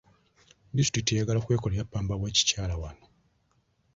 Disitulikiti eyagala kwekolera ppamba w'ekikyala wano.